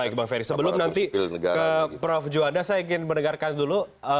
baik bang ferry sebelum nanti ke prof juanda saya ingin mendengarkan dulu